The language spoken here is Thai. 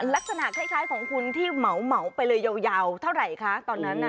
ลักษณะคล้ายของคุณที่เหมาไปเลยยาวเท่าไหร่คะตอนนั้น